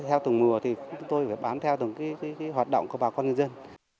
theo từng mùa thì chúng tôi phải bám theo từng hoạt động của bà con người dân